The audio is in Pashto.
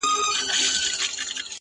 نينې په پټه نه چيچل کېږي.